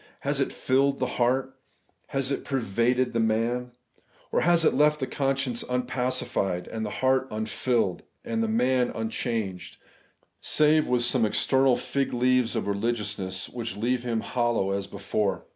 Has it filled the heart ? Has it pervaded the man ? Or has it left the conscience unpacified, the heart un filled, the man unchanged, save with some external fig leaves of reUgiousness, which leave him hollow as before